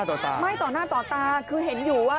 ต่อตาไม่ต่อหน้าต่อตาคือเห็นอยู่ว่า